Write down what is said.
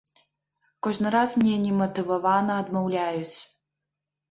Кожны раз мне нематывавана адмаўляюць.